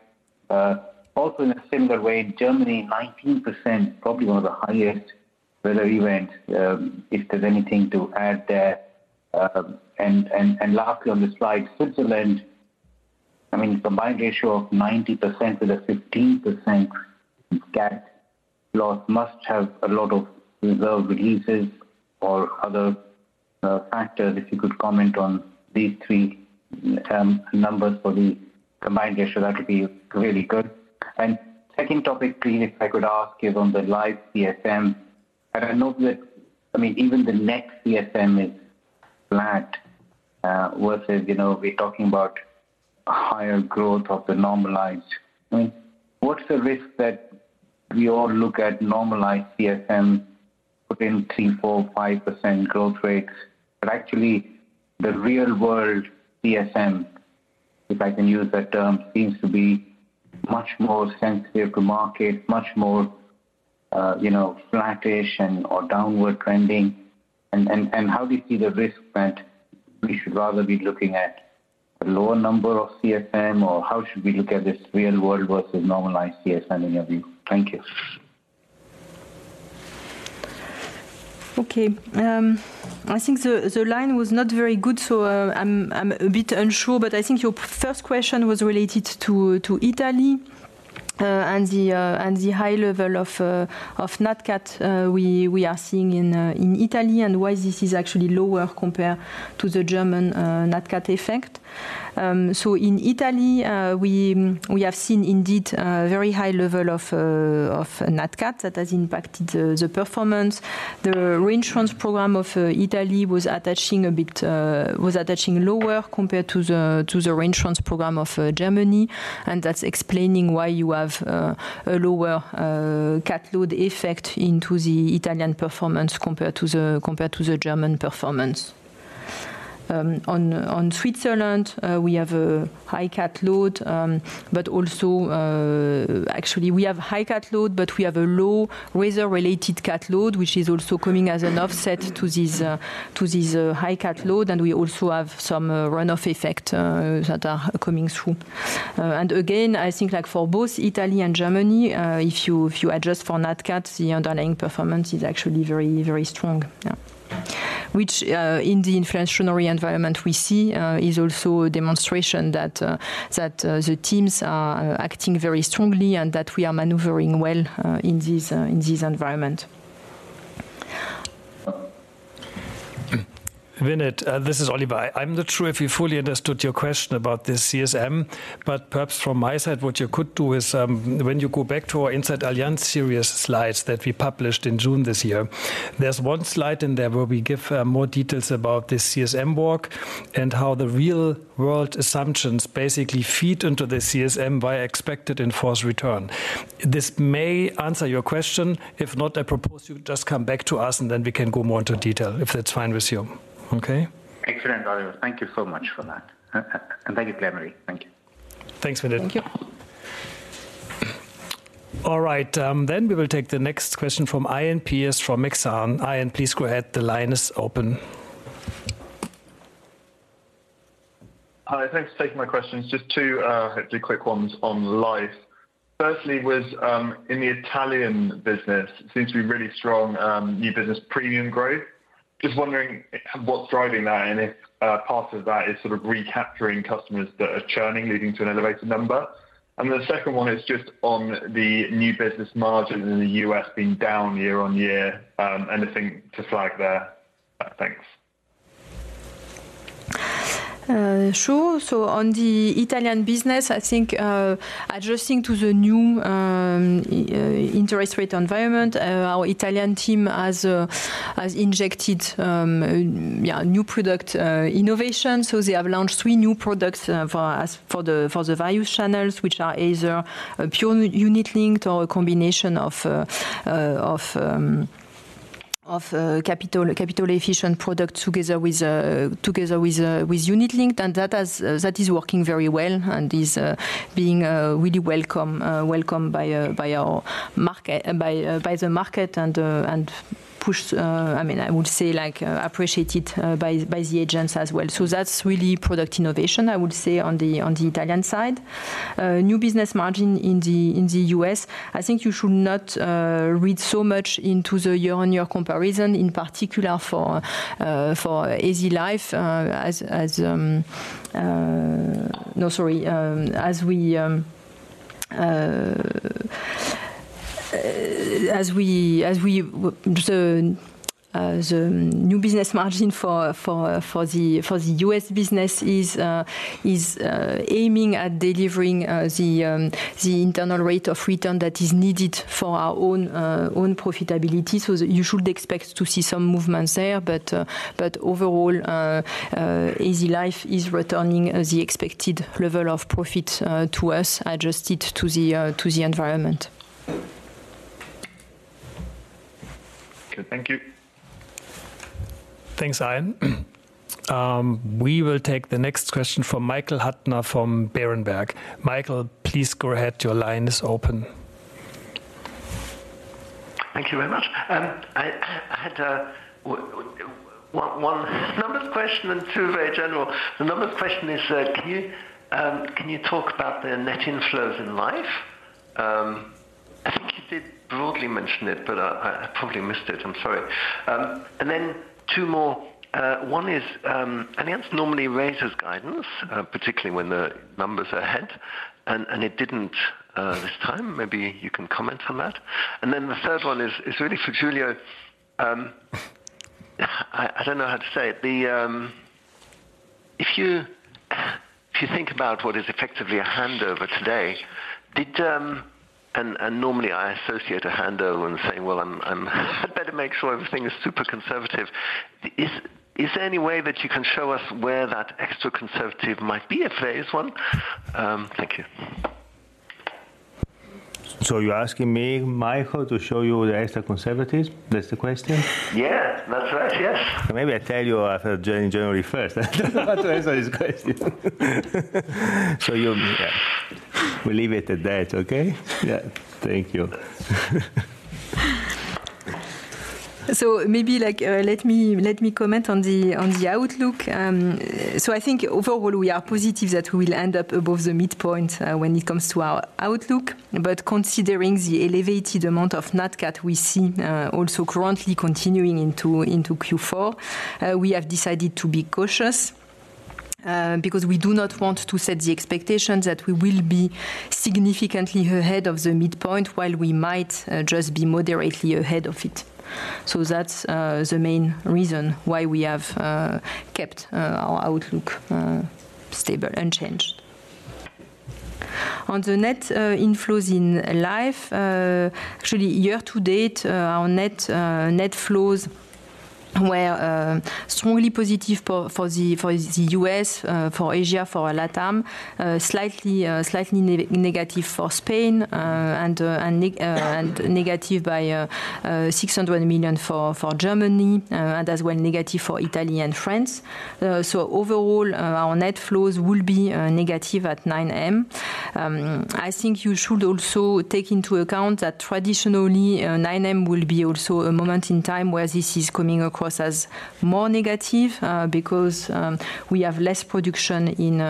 Also in a similar way, in Germany, 19%, probably one of the highest weather events, if there's anything to add there. Lastly, on the slide, Switzerland, I mean, combined ratio of 90% with a 15% CAT loss must have a lot of reserve releases or other factors. If you could comment on these three numbers for the combined ratio, that would be really good. Second topic, please, if I could ask, is on the life CSM. And I know that, I mean, even the next CSM is flat versus, you know, we're talking about higher growth of the normalized. I mean, what's the risk that we all look at normalized CSM within 3%, 4%, 5% growth rates, but actually the real world CSM, if I can use that term, seems to be much more sensitive to market, much more, you know, flattish and/or downward trending? How do you see the risk that we should rather be looking at a lower number of CSM, or how should we look at this real world versus normalized CSM in your view? Thank you. Okay. I think the line was not very good, so I'm a bit unsure. But I think your first question was related to Italy and the high level of Nat Cat we are seeing in Italy, and why this is actually lower compared to the German Nat Cat effect. So in Italy, we have seen indeed a very high level of Nat Cat that has impacted the performance. The reinsurance program of Italy was attaching a bit lower compared to the reinsurance program of Germany, and that's explaining why you have a lower cat load effect into the Italian performance compared to the German performance. On Switzerland, we have a high cat load, but also, actually, we have high cat load, but we have a low weather-related cat load, which is also coming as an offset to this, to this, high cat load, and we also have some runoff effect that are coming through. And again, I think like for both Italy and Germany, if you, if you adjust for nat cat, the underlying performance is actually very, very strong. Yeah, which, in the inflationary environment we see, is also a demonstration that, that, the teams are acting very strongly and that we are maneuvering well, in this, in this environment. Vinit, this is Oliver. I, I'm not sure if we fully understood your question about this CSM, but perhaps from my side, what you could do is, when you go back to our Inside Allianz series slides that we published in June this year, there's one slide in there where we give more details about this CSM work and how the real-world assumptions basically feed into the CSM via expected and forced return. This may answer your question. If not, I propose you just come back to us, and then we can go more into detail, if that's fine with you. Okay? Excellent, Oliver. Thank you so much for that. And thank you, Claire-Marie. Thank you. Thanks, Vinit. Thank you. All right, then we will take the next question from Iain Pearce from Exane. Ian, please go ahead. The line is open. Hi, thanks for taking my questions. Just two, hopefully quick ones on life. Firstly, what's in the Italian business seems to be really strong new business premium growth. Just wondering what's driving that, and if part of that is sort of recapturing customers that are churning, leading to an elevated number? And the second one is just on the new business margins in the U.S. being down year-on-year. Anything to flag there? Thanks. Sure. So on the Italian business, I think, adjusting to the new interest rate environment, our Italian team has injected new product innovation. So they have launched three new products for the value channels, which are either a pure unit-linked or a combination of capital-efficient products, together with unit linked. And that is working very well and is being really welcomed by our market... by the market and pushed, I mean, I would say, like, appreciated by the agents as well. So that's really product innovation, I would say, on the Italian side. New Business Margin in the U.S., I think you should not read so much into the year-on-year comparison, in particular for AZ Life. No, sorry, the new business margin for the U.S. business is aiming at delivering the internal rate of return that is needed for our own profitability. So you should expect to see some movements there. But overall, AZ Life is returning the expected level of profit to us, adjusted to the environment. Okay, thank you. Thanks, Ian. We will take the next question from Michael Huttner from Berenberg. Michael, please go ahead. Your line is open. Thank you very much. I had one numbers question and two very general. The numbers question is, can you talk about the net inflows in life? I think you did broadly mention it, but I probably missed it. I'm sorry. And then two more. One is, Allianz normally raises guidance, particularly when the numbers are ahead, and it didn't this time. Maybe you can comment on that. And then the third one is really for Giulio. I don't know how to say it. The... If you think about what is effectively a handover today, and normally I associate a handover and say: "Well, I'm, I'd better make sure everything is super conservative." Is there any way that you can show us where that extra conservative might be, if there is one? Thank you. So you're asking me, Michael, to show you the extra conservatives? That's the question? Yeah. That's right, yes. Maybe I tell you after January 1st. I don't know how to answer this question. So we'll leave it at that, okay? Yeah. Thank you. So maybe, like, let me, let me comment on the, on the outlook. So I think overall, we are positive that we will end up above the midpoint, when it comes to our outlook. But considering the elevated amount of Nat Cat we see, also currently continuing into, into Q4, we have decided to be cautious, because we do not want to set the expectation that we will be significantly ahead of the midpoint, while we might, just be moderately ahead of it. So that's, the main reason why we have, kept, our outlook, stable, unchanged. On the net, inflows in life, actually, year to date, our net, net flows were strongly positive for, for the, for the U.S., for Asia, for Latam, slightly, slightly negative for Spain, and, and negative by 600 million for Germany, and as well, negative for Italy and France. So overall, our net flows will be negative at 9M. I think you should also take into account that traditionally, 9M will be also a moment in time where this is coming across as more negative, because we have less production in,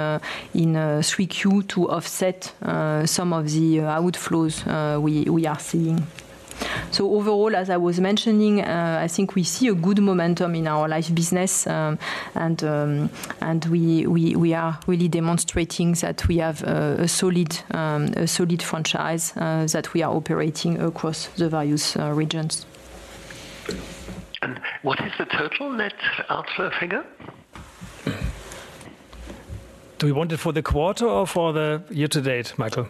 in, 3Q to offset some of the outflows we are seeing. So overall, as I was mentioning, I think we see a good momentum in our life business. And we are really demonstrating that we have a solid franchise that we are operating across the various regions. What is the total net outflow figure? Do you want it for the quarter or for the year to date, Michael?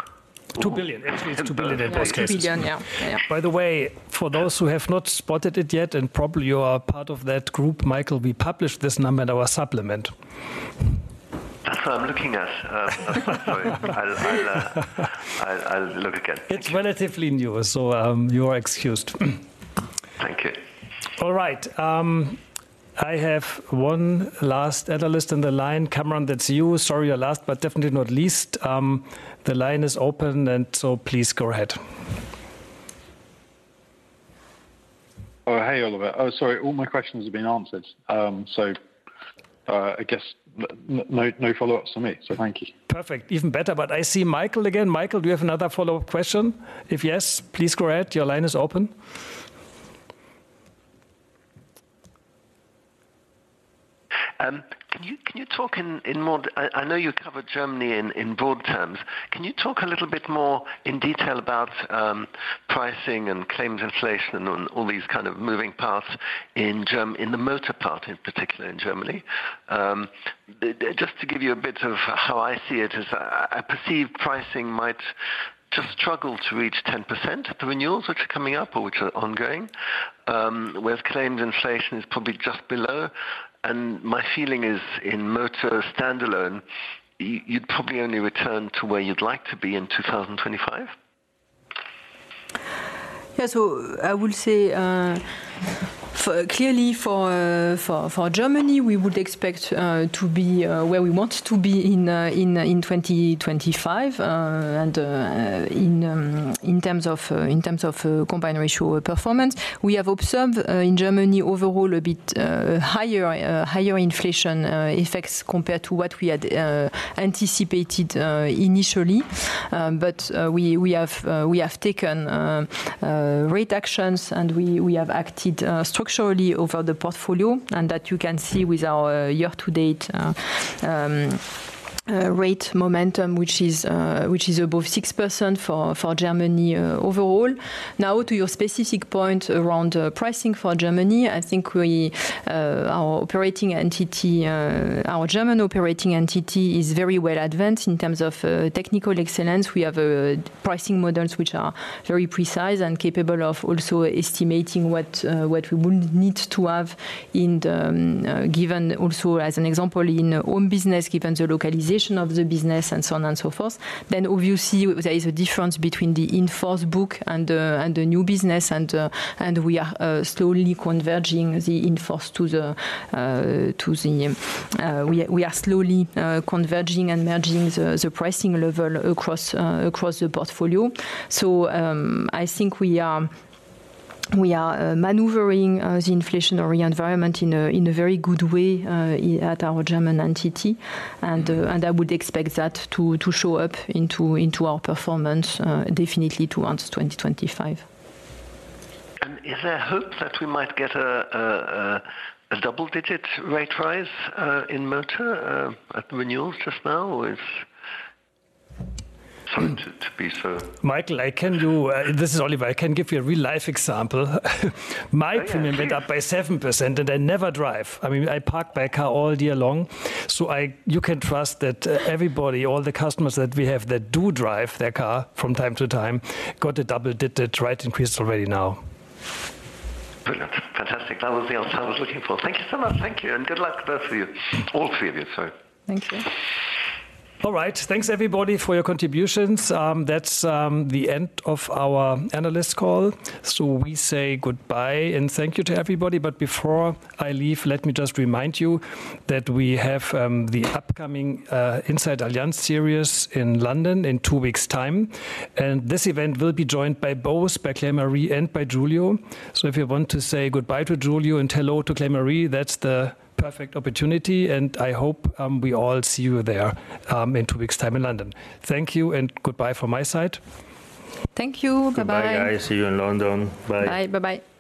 2 billion. It's 2 billion in both cases. 2 billion, yeah. Yeah. By the way, for those who have not spotted it yet, and probably you are part of that group, Michael, we published this number in our supplement. That's what I'm looking at. Sorry. I'll look again. It's relatively new, so, you are excused. Thank you. All right, I have one last analyst on the line. Kamran, that's you. Sorry, you're last, but definitely not least. The line is open, and so please go ahead. Oh, hey, Oliver. Oh, sorry, all my questions have been answered. So, I guess no, no follow-ups for me, so thank you. Perfect. Even better, but I see Michael again. Michael, do you have another follow-up question? If yes, please go ahead. Your line is open. Can you talk in more... I know you covered Germany in broad terms. Can you talk a little bit more in detail about pricing and claims inflation and all these kind of moving parts in the motor part, in particular, in Germany? Just to give you a bit of how I see it, is I perceive pricing might just struggle to reach 10%. The renewals, which are coming up or which are ongoing, with claims inflation is probably just below, and my feeling is in motor standalone, you'd probably only return to where you'd like to be in 2025. Yeah, so I would say, clearly, for Germany, we would expect to be where we want to be in 2025. And in terms of Combined Ratio performance, we have observed in Germany, overall, a bit higher inflation effects compared to what we had anticipated initially. But we have taken rate actions, and we have acted structurally over the portfolio, and that you can see with our year-to-date rate momentum, which is above 6% for Germany overall. Now, to your specific point around pricing for Germany, I think our operating entity, our German operating entity is very well advanced in terms of technical excellence. We have pricing models which are very precise and capable of also estimating what we would need to have in the given also as an example, in our own business, given the localization of the business and so on and so forth. Then obviously, there is a difference between the in-force book and the new business, and we are slowly converging the in-force to the. We are slowly converging and merging the pricing level across the portfolio. So, I think we are maneuvering the inflationary environment in a very good way at our German entity. And I would expect that to show up into our performance definitely towards 2025. Is there hope that we might get a double-digit rate rise in motor at renewals just now? Or is... Sorry to be so- Michael, this is Oliver. I can give you a real-life example. Yeah, yeah. My premium went up by 7%, and I never drive. I mean, I park my car all day long. So I... You can trust that, everybody, all the customers that we have that do drive their car from time to time, got a double-digit rate increase already now. Brilliant. Fantastic. That was the answer I was looking for. Thank you so much. Thank you, and good luck, both of you. All three of you, sorry. Thank you. All right. Thanks, everybody, for your contributions. That's the end of our analyst call. So we say goodbye, and thank you to everybody. But before I leave, let me just remind you that we have the upcoming Inside Allianz series in London in two weeks' time. And this event will be joined by both, by Claire-Marie and by Giulio. So if you want to say goodbye to Giulio and hello to Claire-Marie, that's the perfect opportunity, and I hope we all see you there in two weeks' time in London. Thank you, and goodbye from my side. Thank you. Bye-bye. Goodbye, guys. See you in London. Bye. Bye. Bye-bye.